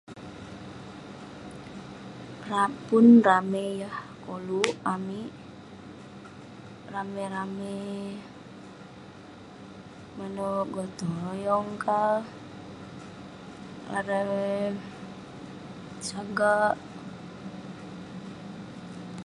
Pun..rame' yah koluk amik, rame' rame' manouk gotong-royong ka, erei..sagak..